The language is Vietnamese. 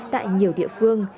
tại nhiều địa phương